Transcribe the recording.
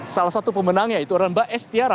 salah satu pemenangnya itu adalah mbak estiara